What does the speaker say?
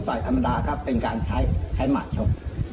ก็ปล่อยธรรมดาครับเป็นการใช้หมาชก